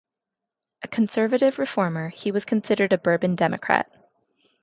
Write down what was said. A conservative reformer, he was considered a Bourbon Democrat.